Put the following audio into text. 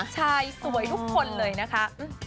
ชายสวยทุกคนเลยนะคะ